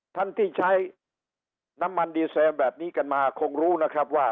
ท่านที่ใช้น้ำมันดีเซลแบบนี้กันมาคงรู้นะครับว่า